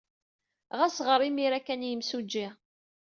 Ɣas ɣer imir-a kan i yemsujji.